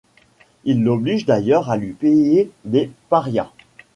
Il l'oblige d'ailleurs à lui payer des parias.